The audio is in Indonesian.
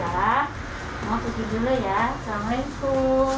mama pergi dulu ya assalamualaikum